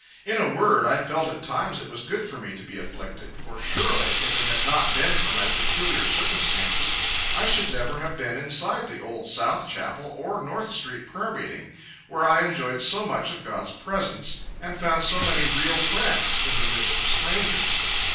In a word, I felt at times it was good for me to be afflicted, for surely, if it had not been for my peculiar circumstances, I should never have been inside the Old South Chapel, or North street prayer meeting, where I enjoyed so much of God's presence, and found so many real friends, in the midst of strangers.